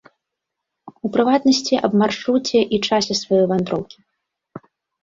У прыватнасці, аб маршруце і часе сваёй вандроўкі.